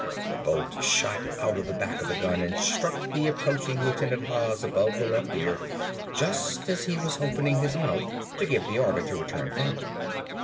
The bolt shot out of the back of the gun and struck the approaching Lieutenant Haas above the left ear just as he was opening his mouth to give the order to return fire.